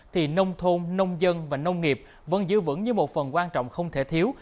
thì nông thôn nông dân và nông nghiệp vẫn giữ vững như một phần quan trọng không thể thiếu